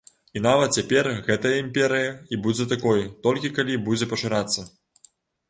І нават цяпер гэта імперыя, і будзе такой, толькі калі будзе пашырацца.